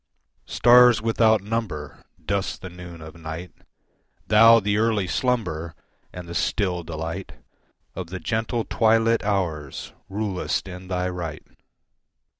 Stars without number, Dust the noon of night, Thou the early slumber And the still delight Of the gentle twilit hours Rulest in thy right.